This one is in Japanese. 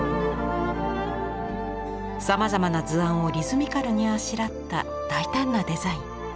さまざまな図案をリズミカルにあしらった大胆なデザイン。